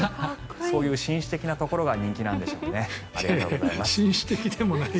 そういう紳士的なところが人気なんでしょうね。